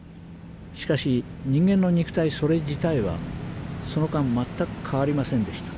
しかし人間の肉体それ自体はその間全く変わりませんでした。